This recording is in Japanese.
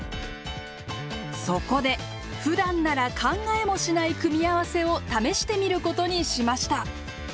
そこでふだんなら考えもしない組み合わせを試してみることにしました。